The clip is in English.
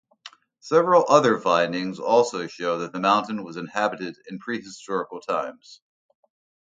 Several other findings also show that the mountain was inhabited in prehistorical times.